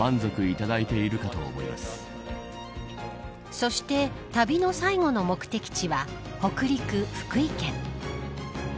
そして旅の最後の目的地は北陸、福井県。